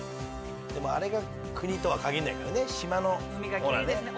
でもあれが国とは限んないからね島の。ほらね。